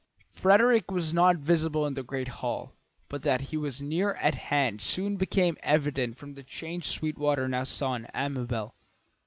Frederick was not visible in the great hall; but that he was near at hand soon became evident from the change Sweetwater now saw in Amabel.